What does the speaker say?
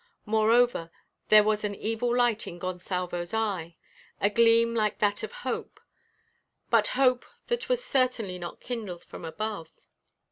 Moreover, there was an evil light in Gonsalvo's eye; a gleam like that of hope, but hope that was certainly not kindled from above.